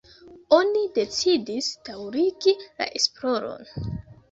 Oni decidis daŭrigi la esploron.